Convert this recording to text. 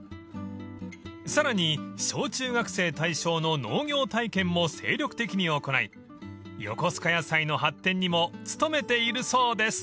［さらに小・中学生対象の農業体験も精力的に行いよこすか野菜の発展にも努めているそうです］